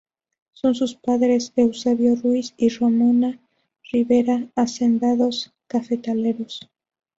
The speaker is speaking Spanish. Son su padres Eusebio Rius y Ramona Rivera, hacendados cafetaleros.